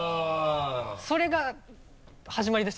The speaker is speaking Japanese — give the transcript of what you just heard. それが始まりでしたね。